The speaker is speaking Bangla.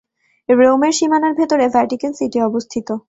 রোমের সীমানার ভেতরে ভ্যাটিকান সিটি অবস্থিত।